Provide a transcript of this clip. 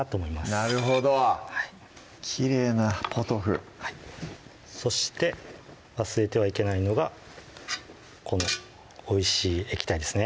なるほどきれいなポトフそして忘れてはいけないのがこのおいしい液体ですね